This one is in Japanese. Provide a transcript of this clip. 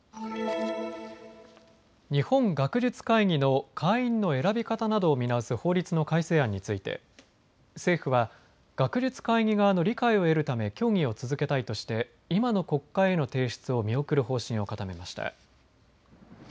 日本学術会議の会員の選び方などを見直す法律の改正案について政府は学術会議側の理解を得るため協議を続けたいとして今の国会への提出を見送る方針を固めました。